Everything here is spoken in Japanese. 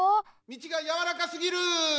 みちがやわらかすぎる！